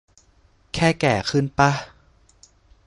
แค่แก่ขึ้นปะ